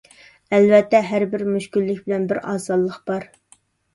ئەلۋەتتە، ھەربىر مۈشكۈللۈك بىلەن بىر ئاسانلىق بار.